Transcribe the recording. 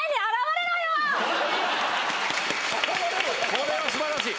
これは素晴らしい！